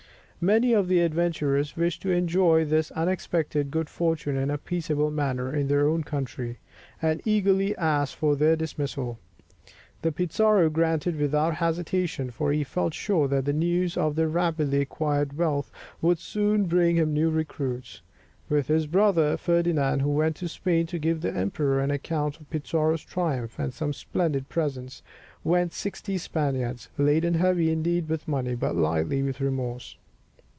Many of the adventurers wished to enjoy this unexpected good fortune in a peaceable manner in their own country, and eagerly asked for their dismissal. This Pizarro granted without hesitation, for he felt sure that the news of their rapidly acquired wealth would soon bring him new recruits. With his brother Ferdinand, who went to Spain to give the emperor an account of Pizarro's triumph and some splendid presents, went sixty Spaniards, laden heavily indeed with money, but lightly with remorse.